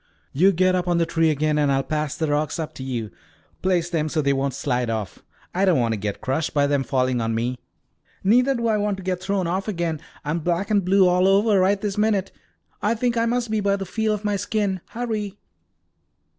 "You get up on the tree again and I'll pass the rocks up to you. Place them so they won't slide off. I don't want to get crushed by them falling on me." "Neither do I want to get thrown off again. I'm black and blue all over, right this minute." "I think I must be by the feel of my skin. Hurry!"